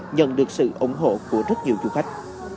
nhận được sự ủng hộ của rất nhiều du khách